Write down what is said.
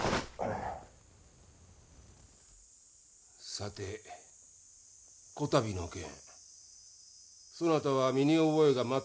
さてこたびの件そなたは身に覚えがまったくないというが。